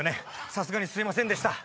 さすがにすいませんでした